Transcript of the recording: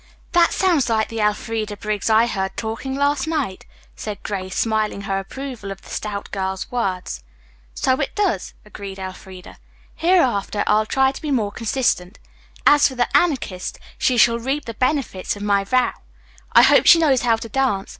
"That sounds like the Elfreda Briggs I heard talking last night," said Grace, smiling her approval of the stout girl's words. "So it does," agreed Elfreda. "Hereafter I'll try to be more consistent. As for the Anarchist, she shall reap the benefit of my vow. I hope she knows how to dance.